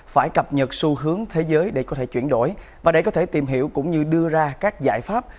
phải cập nhật xu hướng thế giới để có thể chuyển đổi và để có thể tìm hiểu cũng như đưa ra các giải pháp